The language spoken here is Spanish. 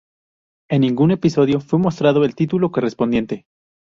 En ningún episodio fue mostrado el título correspondiente.